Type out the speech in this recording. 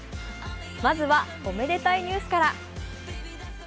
まずはおめでたいニュースから。